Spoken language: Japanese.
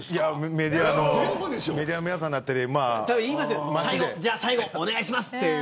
メディアの皆さんだったり最後お願いしますって。